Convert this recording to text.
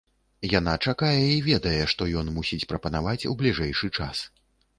Яна чакае і ведае, што ён мусіць прапанаваць у бліжэйшы час.